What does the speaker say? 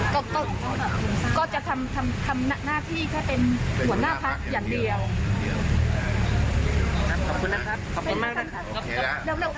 ก็ก็ก็จะทำทำทำทำหน้าที่ถ้าเป็นหัวหน้าภักดิ์อย่างเดียว